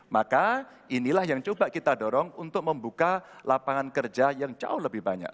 maka inilah yang coba kita dorong untuk membuka lapangan kerja yang jauh lebih banyak